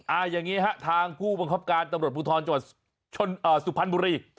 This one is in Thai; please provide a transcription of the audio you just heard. อย่างนี้ฮะทางผู้บังคับการตำรวจภูทรจังหวัดสุพรรณบุรี